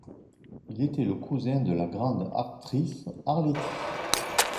Il était le cousin de la grande actrice Arletty.